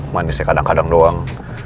manisnya kadang kadang doang